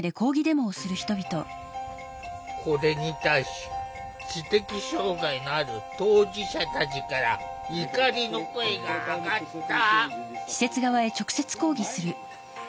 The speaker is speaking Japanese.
これに対し知的障害のある当事者たちから怒りの声が上がった！